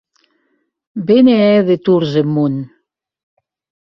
Be ne hè de torns eth mon!